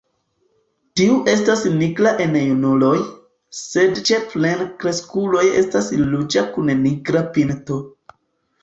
Tiu estas nigra en junuloj, sed ĉe plenkreskuloj estas ruĝa kun nigra pinto.